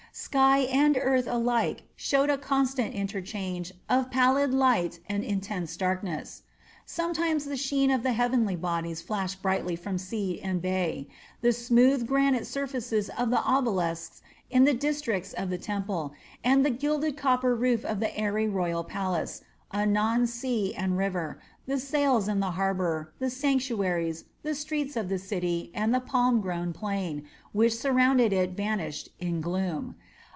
Sky and earth alike showed a constant interchange of pallid light and intense darkness. Sometimes the sheen of the heavenly bodies flashed brightly from sea and bay, the smooth granite surfaces of the obelisks in the precincts of the temple, and the gilded copper roof of the airy royal palace, anon sea and river, the sails in the harbor, the sanctuaries, the streets of the city, and the palm grown plain which surrounded it vanished in gloom.